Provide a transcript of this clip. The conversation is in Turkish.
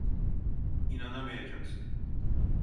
İnanamayacaksın.